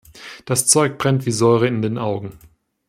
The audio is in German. Das Zeug brennt wie Säure in den Augen.